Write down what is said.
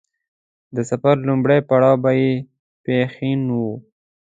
د سفر لومړی پړاو به يې پښين و.